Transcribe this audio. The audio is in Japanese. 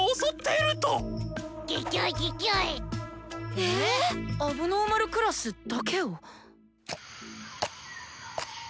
ええ⁉問題児クラスだけを？